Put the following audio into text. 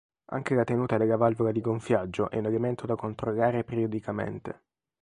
Anche la tenuta della valvola di gonfiaggio è un elemento da controllare periodicamente.